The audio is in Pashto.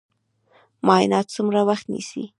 معاینات څومره وخت نیسي؟